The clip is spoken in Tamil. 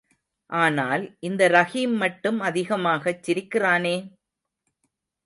ஆனால் இந்த ரஹீம் மட்டும் அதிகமாகச் சிரிக்கிறானே...?